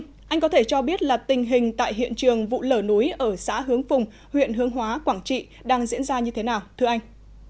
vâng anh có thể cho biết là tình hình tại hiện trường vụ lở núi ở xã hướng phùng huyện hướng hóa quảng trị đang diễn ra như thế nào thưa anh